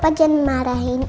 papa jangan marahin uncus